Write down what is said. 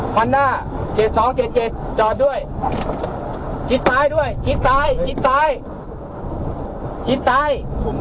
โปรดติดตามตอนต่อไป